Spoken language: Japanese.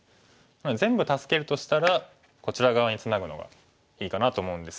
なので全部助けるとしたらこちら側にツナぐのがいいかなと思うんですけど。